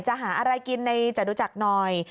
หาอะไรกินในจตุจักรหน่อย